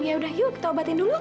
ya udah yuk kita obatin dulu